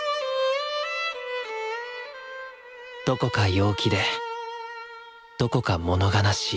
どこか陽気でどこかもの悲しい